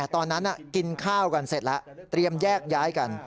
ตอนนั้นกินข้าวกันเสร็จแล้วเตรียมแยกย้ายกัน